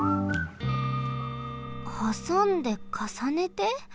はさんでかさねて？